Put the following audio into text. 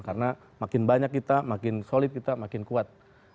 karena makin banyak kita makin solid kita makin kuat